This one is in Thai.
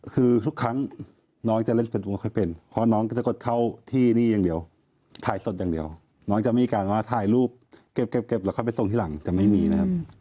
คือทุกครั้งน้องจะเล่นเป็นตัวค่อยเป็นเพราะน้องก็จะกดเข้าที่นี่อย่างเดียวถ่ายสดอย่างเดียวน้องจะมีการว่าถ่ายรูปเก็บแล้วค่อยไปส่งที่หลังจะไม่มีนะครับ